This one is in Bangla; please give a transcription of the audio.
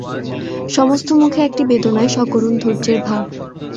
সমস্ত মুখে একটি বেদনায় সকরুণ ধৈর্যের ভাব।